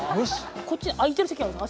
こっちに空いてる席があるんです